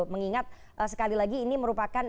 mengingat sekali lagi ini merupakan